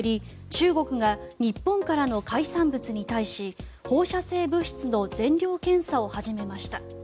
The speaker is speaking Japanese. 中国が日本からの海産物に対し放射性物質の全量検査を始めました。